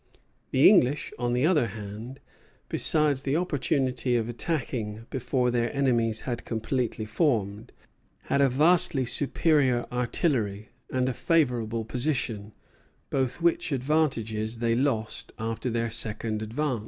The English, on the other hand, besides the opportunity of attacking before their enemies had completely formed, had a vastly superior artillery and a favorable position, both which advantages they lost after their second advance.